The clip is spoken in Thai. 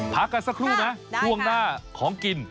พักกันสักครู่นะช่วงหน้าของกิน